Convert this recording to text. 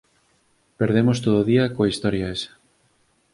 Perdemos todo o día coa historia esa.